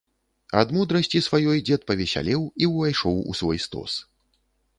Ад мудрасці сваёй дзед павесялеў і ўвайшоў у свой стос.